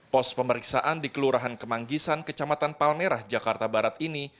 pos pemeriksaan di kelurahan kemanggisan kecamatan palmerah jakarta barat ini